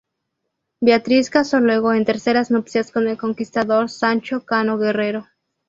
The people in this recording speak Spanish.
Beatriz casó luego en terceras nupcias con el conquistador Sancho Cano Guerrero.